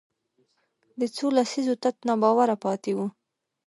د څو لسیزو تت ناباوره پاتې وو